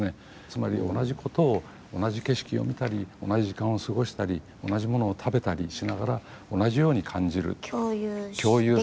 つまり、同じことを同じ景色を見たり同じ時間を過ごしたり同じものを食べたりしながら同じように感じる。